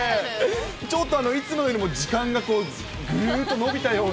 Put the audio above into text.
ちょっといつもよりも時間がぐーっと伸びたような。